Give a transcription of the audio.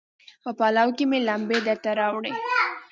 په پلو کې مې لمبې درته راوړي